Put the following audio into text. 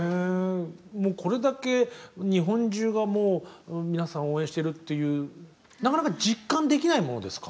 もうこれだけ日本中がもう皆さんを応援してるっていうなかなか実感できないものですか？